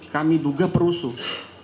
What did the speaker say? kami duga perusuh